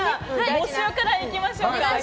募集から行きましょうか。